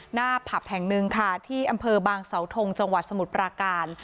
ผับแห่งหนึ่งค่ะที่อำเภอบางเสาทงจังหวัดสมุทรปราการ